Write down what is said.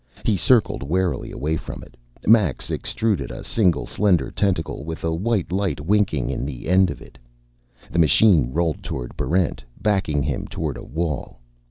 He circled warily away from it. Max extruded a single slender tentacle with a white light winking in the end of it The machine rolled toward Barrent, backing him toward a wall.